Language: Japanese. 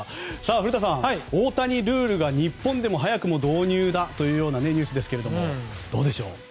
古田さん、大谷ルールが日本でも早くも導入だというようなニュースですけれどもどうでしょう。